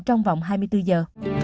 trong vòng hai mươi bốn giờ